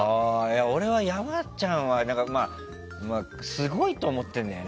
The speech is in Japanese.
俺は、山ちゃんはすごいと思ってるんだよね。